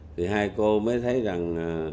thì hai cô mới thấy rằng